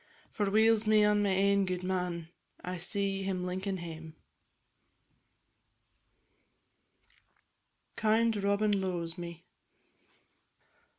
For weel's me on my ain gudeman! I see him linkin' hame. KIND ROBIN LOE'S ME.